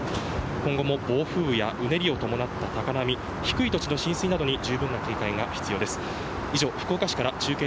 今後も暴風雨やうねりを伴った高波低い土地の浸水などに十分な警戒が必要です。